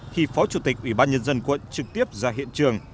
khi phó chủ tịch ủy ban nhân dân quận trực tiếp ra hiện trường